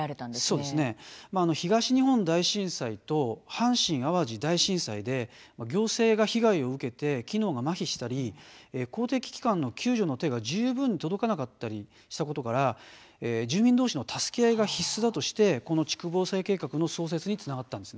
東日本大震災と阪神・淡路大震災で行政が被害を受けて機能がまひしたり公的機関の救助の手が十分に届かなかったりしたことで住民どうしの助け合いが必須だとしてこの地区防災計画の創設につながったんです。